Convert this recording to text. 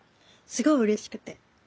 すごいうれしくて。